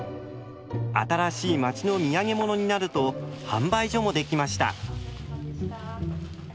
新しい町の土産物になると販売所も出来ました。